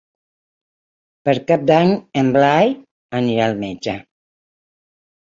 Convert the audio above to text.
Per Cap d'Any en Blai anirà al metge.